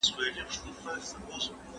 نړيوالي اړيکي د سياستپوهني موضوع ده.